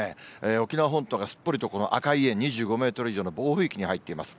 沖縄本島がすっぽりと赤い円、２５メートル以上の暴風域に入っています。